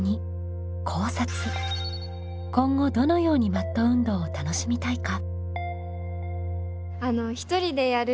今後どのようにマット運動を楽しみたいか？